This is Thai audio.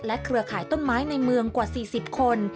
เครือข่ายต้นไม้ในเมืองกว่า๔๐คน